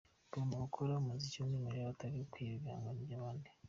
Mugomba gukora umuziki w’umwimerere atari ukwiba ibihangano by’abandi.